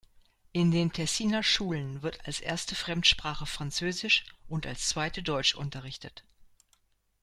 In den Tessiner Schulen wird als erste Fremdsprache Französisch und als zweite Deutsch unterrichtet.